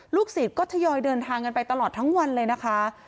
ศิษย์ก็ทยอยเดินทางกันไปตลอดทั้งวันเลยนะคะ